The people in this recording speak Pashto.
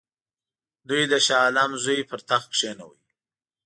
دوی د شاه عالم زوی پر تخت کښېناوه.